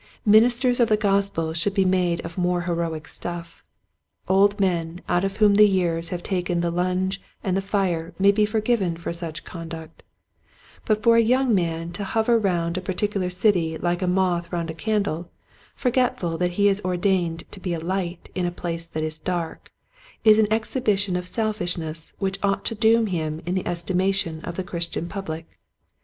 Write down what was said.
Ministers of the Gospel should be made of more heroic stuff. Old men out of whom the years have taken the lunge and the fire may be forgiven for such conduct ; but for a young man to hover round a particular city like a moth round a candle, forgetful that he is or dained to be a light in a place that is dark, is an exhibition of selfishness which ought to doom him in the estimation of the Christian public.